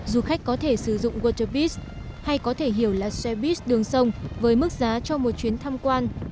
du khách có thể sử dụng wortopis hay có thể hiểu là xe buýt đường sông với mức giá cho một chuyến thăm quan